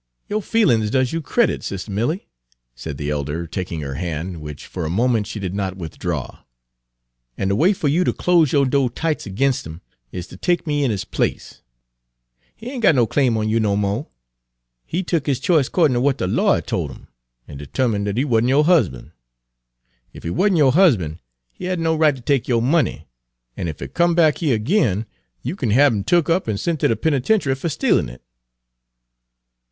"Yo' feelin's does you credit, Sis' Milly," said the elder, taking her hand, which for a moment she did not withdraw. "An' de way fer you ter close yo' do' tightes' ag'inst 'im is ter take me in his place. He ain' got no claim on you no mo'. He tuk his ch'ice 'cordin' ter w'at de lawyer tol' 'im, an' 'termine' dat he wa'n't yo' husban'. Ef he wa'n't yo' husban', he had no right ter take yo' money, an' ef he comes back here ag'in you kin hab 'im tuck up an' sent ter de penitenchy fer stealin' it."